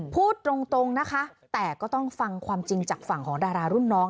พูดตรงนะคะแต่ก็ต้องฟังความจริงจากฝั่งของดารารุ่นน้อง